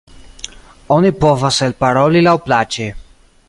Oni povas elparoli laŭplaĉe.